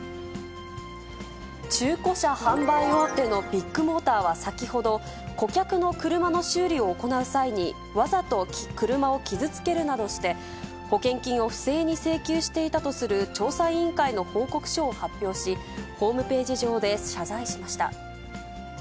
中古車販売大手のビッグモーターは先ほど、顧客の車の修理を行う際に、わざと車を傷つけるなどして、保険金を不正に請求していたとする調査委員会の報告書を発表し、ホームページ上で謝罪しました。